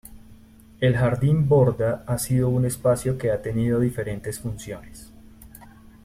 El Jardín Borda ha sido un espacio que ha tenido diferentes funciones.